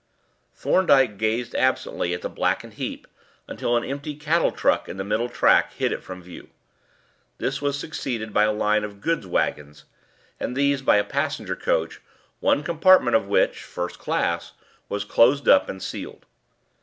Thorndyke gazed absently at the blackened heap until an empty cattle truck on the middle track hid it from view. This was succeeded by a line of goods waggons, and these by a passenger coach, one compartment of which a first class was closed up and sealed.